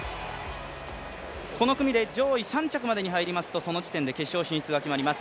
この組で上位３着までに入りますと、その時点で決勝進出が決まります。